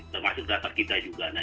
termasuk data kita juga